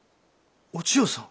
お千代さん？